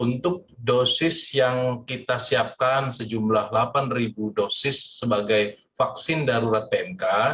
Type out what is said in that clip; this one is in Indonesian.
untuk dosis yang kita siapkan sejumlah delapan dosis sebagai vaksin darurat pmk